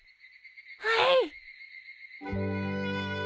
はい。